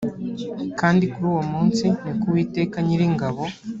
kandi kuri uwo munsi ni ko uwiteka nyiringabo